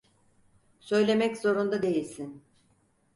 Söylemek zorunda değilsin.